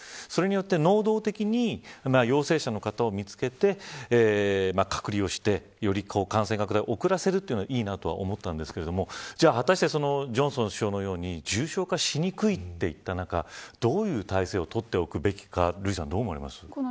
それによって、能動的に陽性者の方を見つけて隔離をして、より感染拡大を遅らせるのはいいなとは思ったんですけどじゃあ果たしてジョンソン首相のように重症化しにくいといった中どういう体制をとっておくべきか瑠麗さんはどう思いますか。